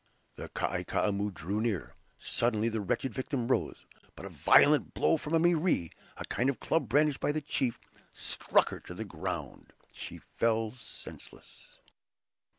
The Kai Koumou drew near; suddenly the wretched victim rose; but a violent blow from a "MERE," a kind of club brandished by the chief, struck her to the ground; she fell senseless.